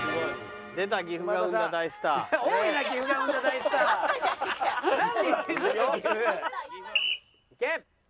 いけ！